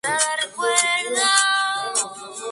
El Parque La La Quinta, y al norte por el río La Silla.